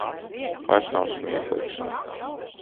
Vairs nav smieklīgs.